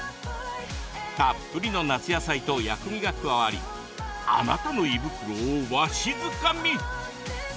たっぷりの夏野菜と薬味が加わりあなたの胃袋をわしづかみ！